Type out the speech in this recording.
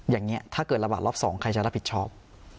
อย่างนี้ถ้าเกิดระบาดรอบ๒ใครจะรับผิดชอบ